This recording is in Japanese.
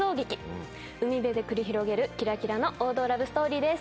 海辺で繰り広げるきらきらの王道ラブストーリーです。